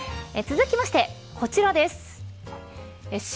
続きまして、こちらです。